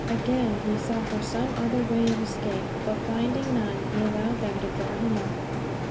Again he sought for some other way of escape; but finding none, he allowed them to draw him up.